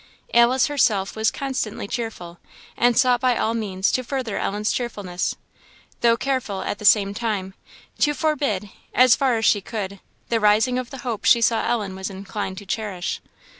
Alice herself was constantly cheerful, and sought by all means to further Ellen's cheerfulness; though careful, at the same time, to forbid, as far as she could, the rising of the hope she saw Ellen was inclined to cherish.